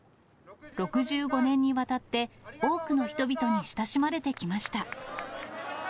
６５年にわたって、多くの人々に親しまれてきました。